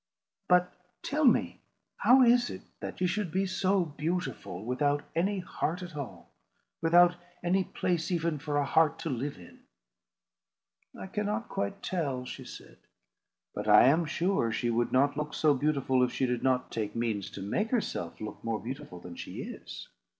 "But tell me how it is that she could be so beautiful without any heart at all—without any place even for a heart to live in." "I cannot quite tell," she said; "but I am sure she would not look so beautiful if she did not take means to make herself look more beautiful than she is.